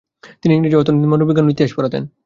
তিনি ইংরেজি, অর্থনীতি, মনোবিজ্ঞান ও ইতিহাস পড়াতেন।